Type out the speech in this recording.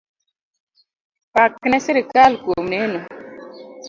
Pak ne sirkal kuom neno.